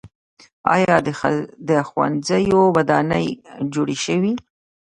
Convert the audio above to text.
آیا د ښوونځیو ودانۍ جوړې شوي؟